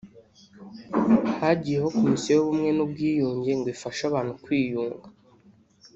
Hagiyeho Komisiyo y’Ubumwe n’Ubwiyunge ngo ifashe abantu kwiyunga